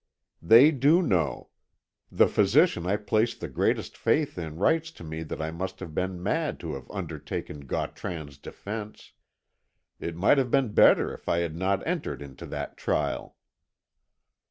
"They do know. The physician I place the greatest faith in writes to me that I must have been mad to have undertaken Gautran's defence. It might have been better if I had not entered into that trial."